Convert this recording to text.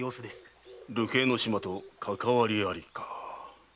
流刑の島とかかわりありか。